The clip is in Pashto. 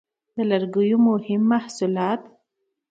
د لرګیو مهم محصولات: